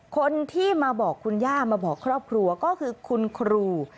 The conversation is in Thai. คนที่มาบอกคุณย่ามาบอกครอบครัวก็คือคุณครู